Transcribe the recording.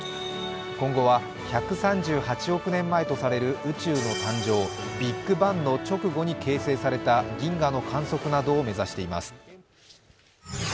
今後は１３８億年前とされる宇宙の誕生、ビッグバンの直後に形成された銀河の観測などを目指しています。